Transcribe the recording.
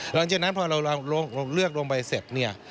หลังจากนั้นพอเราเลือกลงไปเสร็จเนี่ย